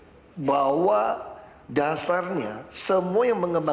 semua yang mengembangkan reklamasi harus menurut saya itu adalah rencana untuk ataskan untuk penggambaran